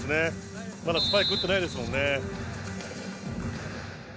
まだスパイクを打ってないですもんね。